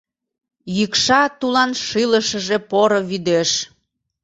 Йӱкша тулан шӱлышыжӧ поро вӱдеш.